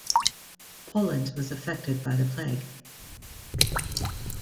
Poland was affected by the plague.